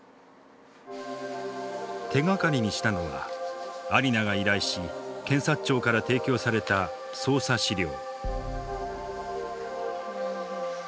手がかりにしたのはアリナが依頼し検察庁から提供された捜査資料。